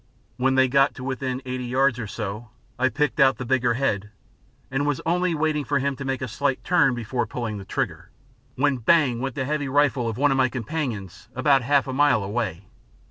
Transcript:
When they got to within eighty yards or so, I picked out the bigger head and was only waiting for him to make a slight turn before pulling the trigger, when bang went the heavy rifle of one of my companions about half a mile away.